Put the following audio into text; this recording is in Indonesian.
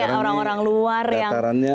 orang orang luar yang sekarang ini datarannya